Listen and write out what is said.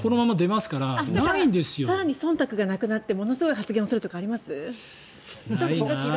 明日から更にそんたくがなくなってものすごい発言をするとかあります？